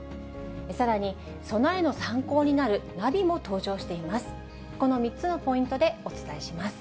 さらに、備えの参考になるナビも登場しています。